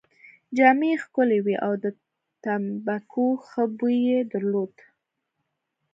جامې يې ښکلې وې او د تمباکو ښه بوی يې درلود.